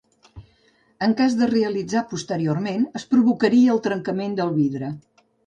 En cas de realitzar posteriorment, es provocaria el trencament del vidre.